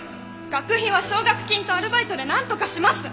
学費は奨学金とアルバイトでなんとかします！